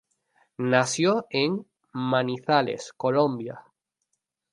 Nació en Manizales, Colombia.